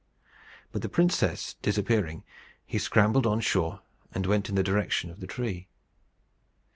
But the princess disappearing, he scrambled on shore, and went in the direction of the tree.